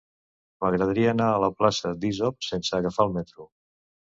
M'agradaria anar a la plaça d'Isop sense agafar el metro.